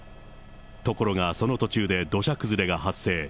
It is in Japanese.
ところがその途中で土砂崩れが発生。